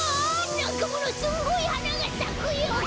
なんかものすんごいはながさくよかん！